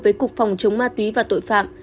với cục phòng chống ma túy và tội phạm